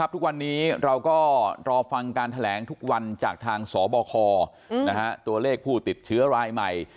ทุกวันนี้เราก็รอฟังการแถลงทุกวันจากทางสบคตัวเลขผู้ติดเชื้อรายใหม่